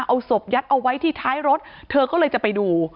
เอาศพยัดเอาไว้ที่ท้ายรถเธอก็เลยจะไปดู